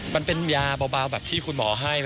มันเป็นยาเบาแบบที่คุณหมอให้